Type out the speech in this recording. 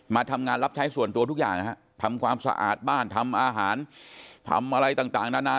มาทำงานรับใช้ส่วนตัวทุกอย่างนะฮะทำความสะอาดบ้านทำอาหารทำอะไรต่างนานา